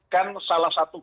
kan salah satu